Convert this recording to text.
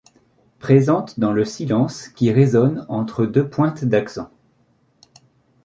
Présente dans le silence qui résonne entre deux pointes d’accent.